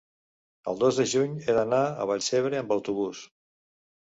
el dos de juny he d'anar a Vallcebre amb autobús.